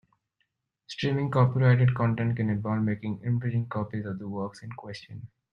Streaming copyrighted content can involve making infringing copies of the works in question.